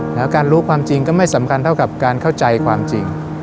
แล้วการรู้ความจริงก็ไม่สำคัญเท่ากับการเข้าใจความจริง